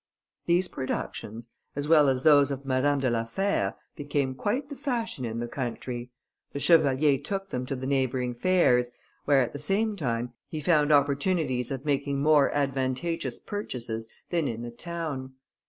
These productions, as well as those of Madame de la Fère, became quite the fashion in the country. The chevalier took them to the neighbouring fairs, where, at the same time, he found opportunities of making more advantageous purchases than in the town.